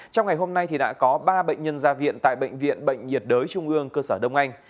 trong ngày hôm nay đã có ba bệnh nhân ra viện tại bệnh viện bệnh nhiệt đới trung ương cơ sở đông anh